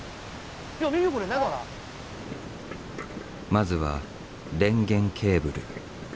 まずは電源ケーブル。